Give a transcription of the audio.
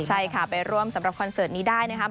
ใช่ค่ะไปร่วมสำหรับคอนเสิร์ตนี้ได้นะครับ